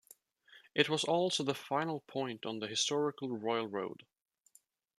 It was also the final point on the historical Royal Road.